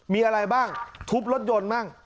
มีอะไรบ้างทุบรถยนต์บ้าง